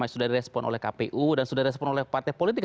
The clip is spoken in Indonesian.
sudah direspon oleh kpu dan sudah direspon oleh partai politik